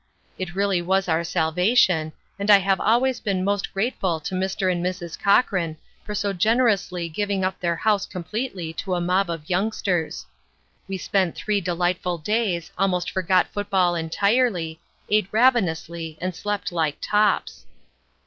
It really was our salvation, and I have always been most grateful to Mr. and Mrs. Cochrane for so generously giving up their house completely to a mob of youngsters. We spent three delightful days, almost forgot football entirely, ate ravenously and slept like tops.